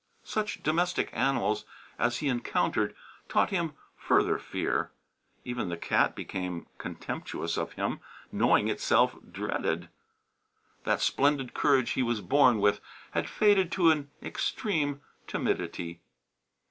Such domestic animals as he encountered taught him further fear. Even the cat became contemptuous of him, knowing itself dreaded. That splendid courage he was born with had faded to an extreme timidity.